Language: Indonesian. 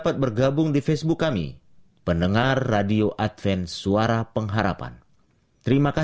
sampai jumpa di video selanjutnya